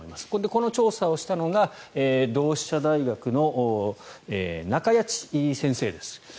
この調査をしたのが同志社大学の中谷内先生です。